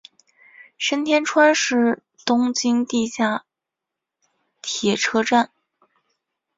神田川是东京地下铁车站。